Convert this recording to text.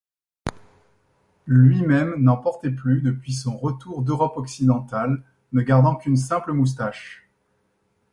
Lui-même n'en portait plus depuis son retour d'Europe occidentale, ne gardant qu'une simple moustache.